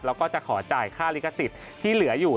แล้วก็จะขอจ่ายค่าลิขสิทธิ์ที่เหลืออยู่